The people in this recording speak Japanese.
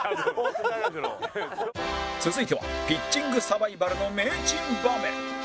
続いてはピッチングサバイバルの名珍場面